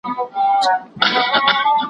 مطالعه وکړه!